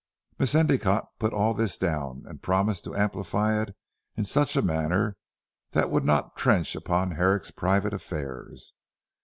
Miss Endicotte put all this down, and promised to amplify it in such a manner that it would not trench upon Herrick's private affairs.